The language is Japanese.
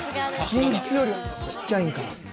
寝室よりちっちゃいんか。